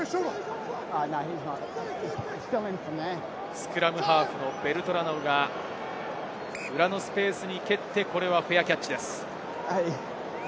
スクラムハーフのベルトラノウが、裏のスペースに蹴ってフェアキャッチです。